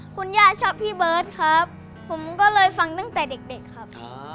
คุณย่าชอบพี่เบิร์ตครับผมก็เลยฟังตั้งแต่เด็กครับ